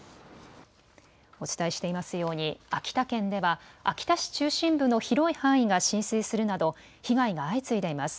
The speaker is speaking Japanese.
お伝えしていますように秋田県では秋田市中心部の広い範囲が浸水するなど被害が相次いでいます。